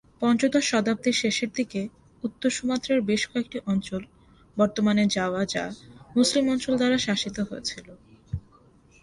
পঞ্চদশ শতাব্দীর শেষের দিকে উত্তর সুমাত্রার বেশ কয়েকটি অঞ্চল, বর্তমানে জাভা যা মুসলিম অঞ্চল দ্বারা শাসিত হয়েছিল।